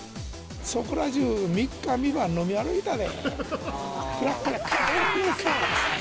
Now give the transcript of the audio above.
そこら中、三日三晩飲み歩いたで。